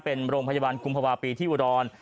เป็นโรงพยาบาลกุมภาวะปีที่อุดร